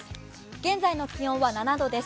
現在の気温は７度です。